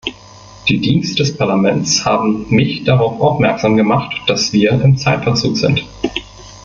Die Dienste des Parlaments haben mich darauf aufmerksam gemacht, dass wir im Zeitverzug sind.